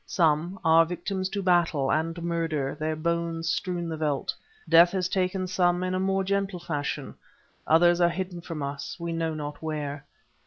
Some are victims to battle and murder, their bones strew the veldt; death has taken some in a more gentle fashion; others are hidden from us, we know not where.